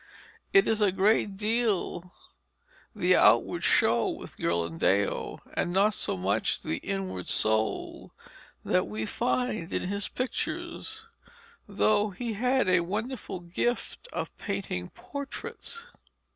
It is a great deal the outward show with Ghirlandaio, and not so much the inward soul, that we find in his pictures, though he had a wonderful gift of painting portraits.